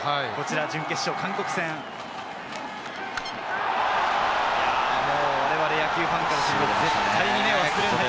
準決勝の韓国戦、我々、野球ファンからすると絶対に忘れられない。